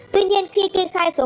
tuy nhiên khi kê khai số hóa đơn